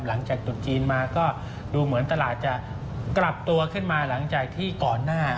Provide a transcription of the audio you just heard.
ตุดจีนมาก็ดูเหมือนตลาดจะกลับตัวขึ้นมาหลังจากที่ก่อนหน้า